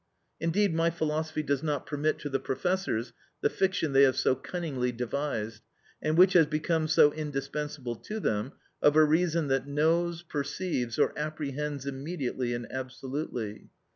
Indeed my philosophy does not permit to the professors the fiction they have so cunningly devised, and which has become so indispensable to them, of a reason that knows, perceives, or apprehends immediately and absolutely.